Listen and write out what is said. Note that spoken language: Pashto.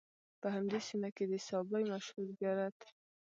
په همدې سیمه کې د سوبۍ مشهور زیارت